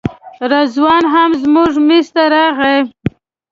رضوان هم زموږ میز ته راغی.